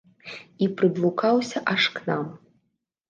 І прыблукаўся аж к нам.